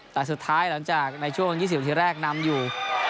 แต่สุดท้ายหลังจากในช่วง๒๐นาทีแรกนำอยู่